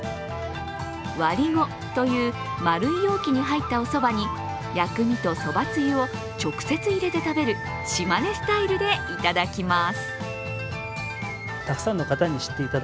割子という丸い容器に入ったおそばに薬味とそばつゆを直接入れて食べる島根スタイルでいただきます。